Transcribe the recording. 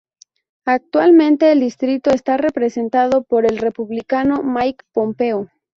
Actualmente el distrito está representado por el Republicano Mike Pompeo.